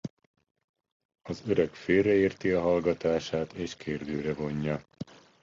Az öreg félre érti a hallgatását és kérdőre vonja.